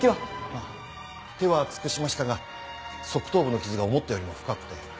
あぁ手は尽くしましたが側頭部の傷が思ったよりも深くて。